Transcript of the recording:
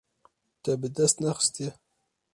Te bi dest nexistiye.